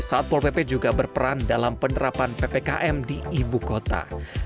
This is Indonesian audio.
satpol pp juga berperan dalam penerapan ppkm di ibu kota